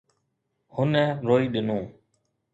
هن روئي ڏنو.